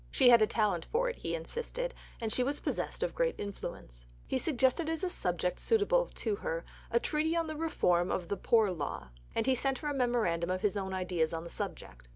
She had a talent for it, he insisted, and she was possessed of great influence. He suggested as a subject suitable to her a Treatise on the Reform of the Poor Law, and he sent her a memorandum of his own ideas on the subject.